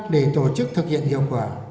để tổ chức thực hiện hiệu quả